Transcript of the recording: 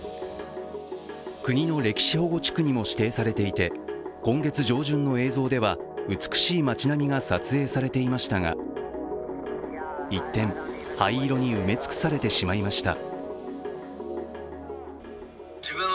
国の歴史保護地区にも指定されていて、今月上旬の映像では美しい町並みが撮影されていましたが一転、灰色に埋め尽くされてしまいました。